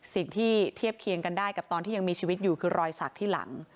เทียบเคียงกันได้กับตอนที่ยังมีชีวิตอยู่คือรอยสักที่หลัง